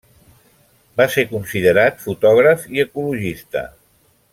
Va ser considerat fotògraf i ecologista.